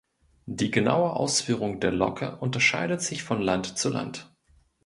Die genaue Ausführung der Locke unterscheidet sich von Land zu Land.